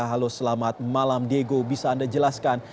halo selamat malam diego bisa anda jelaskan